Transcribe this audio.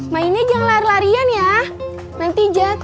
mainnya jangan lari larian ya nanti jatuh